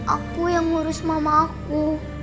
aku yang ngurus mama aku